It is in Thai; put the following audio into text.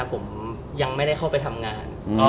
ผมยังไม่ได้เข้าไปทำงาน